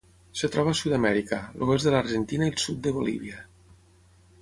Es troba a Sud-amèrica: l'oest de l'Argentina i el sud de Bolívia.